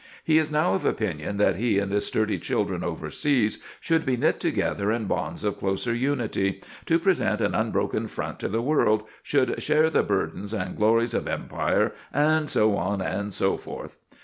He is now of opinion that he and his sturdy children over seas should be "knit together in bonds of closer unity," "to present an unbroken front to the world," "should share the burdens and glories of Empire," and so on and so forth.